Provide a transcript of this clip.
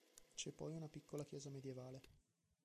C'è poi una piccola chiesa medievale.